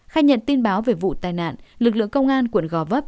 khai nhận tin báo về vụ tai nạn lực lượng công an quận gò vấp